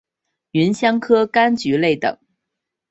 芸香科柑橘类等。